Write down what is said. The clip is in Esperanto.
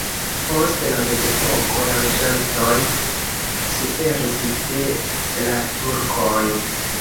Post la mezepoko la loĝantoj suferis de la turkoj.